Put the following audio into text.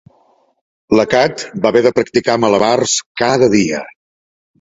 La Cat va haver de practicar malabars cada dia.